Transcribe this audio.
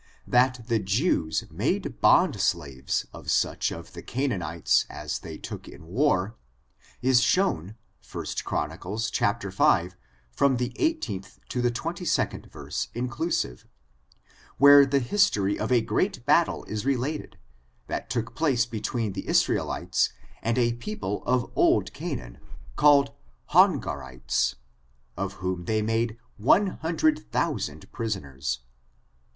That the Jews made bond slaves of such of the Ca naauites as they took in war, is shown 1st Chron. v, from the 18th to the 22d verse inclusive, where the history of a great battle is related, that took place be tween the Israelites and a people of old Canaan, called Hongarites, of whom they made 100,000 pris oners.